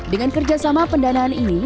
dengan kerjasama pendanaan ini